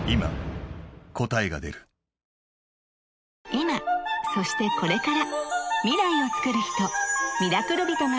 ［今そしてこれから］